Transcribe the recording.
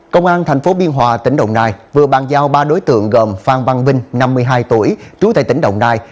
công an tp biên hòa tỉnh đồng nai vừa bàn giao ba đối tượng gồm phan văn vinh năm mươi hai tuổi trú tại tỉnh đồng nai